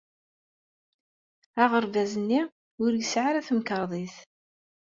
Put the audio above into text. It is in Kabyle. Aɣerbaz-nni ur yesɛi ara tamkarḍit.